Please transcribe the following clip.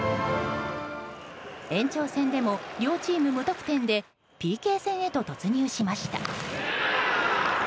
延長戦でも両チーム無得点でＰＫ戦へと突入しました。